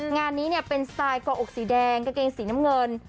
งานนี้เป็นสไตล์ก่ออกสีแดงกางเกงสีน้ำเงิน